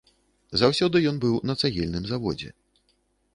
Заўсёды ён быў на цагельным заводзе.